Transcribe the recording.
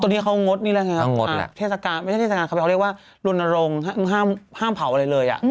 ตัวนี้เขางดนี่แหละไงครับเทศกาลไม่ใช่เทศกาลเขาเรียกว่าลุนโรงห้ามเผาอะไรเลย